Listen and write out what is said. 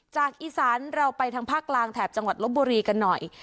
จากอีสานเราไปทางภาคกลางแถบจังหวัดลบบุรีกันหน่อย